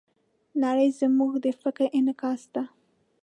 نړۍ زموږ د فکر انعکاس ده.